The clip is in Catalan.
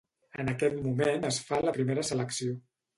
En aquest moment es fa una primera selecció.